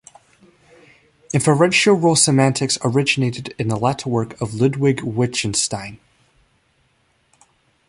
Inferential role semantics originated in the later work of Ludwig Wittgenstein.